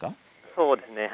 そうですね。